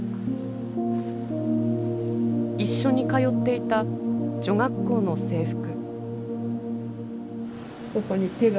一緒に通っていた女学校の制服。